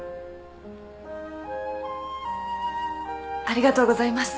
ありがとうございます。